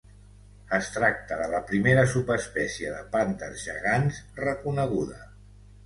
Es tracta de la primera subespècie de pandes gegants reconeguda.